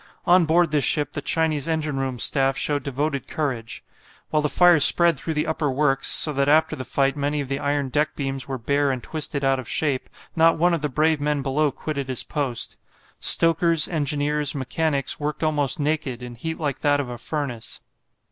On board this ship the Chinese engine room staff showed devoted courage. While the fire spread through the upper works, so that after the fight many of the iron deck beams were bare and twisted out of shape, not one of the brave men below quitted his post. Stokers, engineers, mechanics worked almost naked, in heat like that of a furnace.